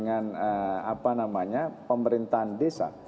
apa namanya pemerintahan desa